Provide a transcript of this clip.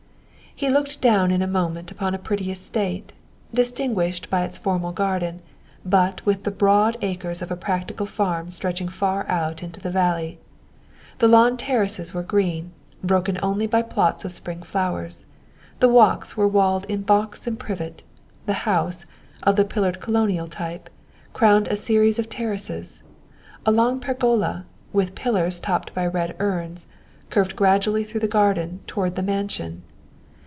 He looked down in a moment upon a pretty estate, distinguished by its formal garden, but with the broad acres of a practical farm stretching far out into the valley. The lawn terraces were green, broken only by plots of spring flowers; the walks were walled in box and privet; the house, of the pillared colonial type, crowned a series of terraces. A long pergola, with pillars topped by red urns, curved gradually through the garden toward the mansion.